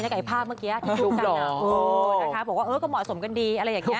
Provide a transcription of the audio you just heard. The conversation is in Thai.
มันพูดว่าก็เหมาะสมกันดี